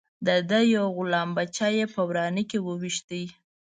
د ده یو غلام بچه یې په ورانه کې وويشت.